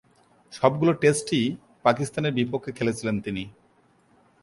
সবগুলো টেস্টই পাকিস্তানের বিপক্ষে খেলেছিলেন তিনি।